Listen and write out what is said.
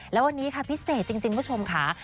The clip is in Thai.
แล้ววันนี้ค่ะพิเศษจริงคุณผู้ชมค่ะ